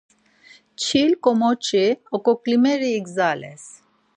Çil-komoci oǩoǩlimeri igzales.